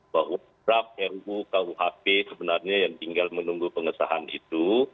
bahwa berapa rukuhp sebenarnya yang tinggal menunggu pengesahan itu